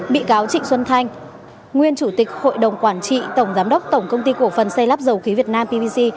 bị cáo trịnh xuân thanh nguyên chủ tịch hội đồng quản trị tổng giám đốc tổng công ty cổ phần xây lắp dầu khí việt nam pvc